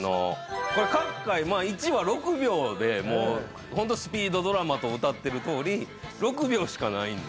各回１話６秒でホントスピードドラマとうたってるとおり６秒しかないんで。